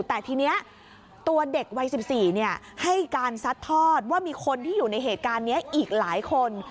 แต่ทีนี้ตัวเด็กวัย๑๔ให้การซัดทอดว่ามีคนที่อยู่ในเหตุการณ์นี้อีกหลายคน